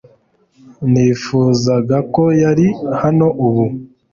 Nifuzaga ko yari hano ubu .